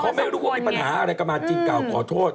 เขาไม่รู้ว่ามีปัญหาอะไรก็มาจิลกาวก่อโทษ